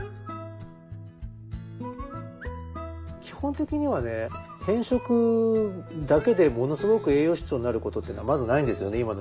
基本的にはね偏食だけでものすごく栄養失調になることっていうのはまずないんですよね